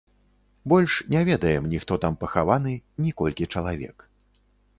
Больш не ведаем ні хто там пахаваны, ні колькі чалавек.